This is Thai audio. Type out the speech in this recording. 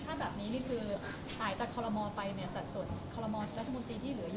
ถ้าแบบนี้คือหายจากคอรมอร์ไปในสถานส่วนคอรมอร์รัฐบุรตีที่เหลืออยู่